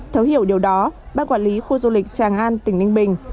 thấu hiểu điều đó ban quản lý khu du lịch tràng an tỉnh ninh bình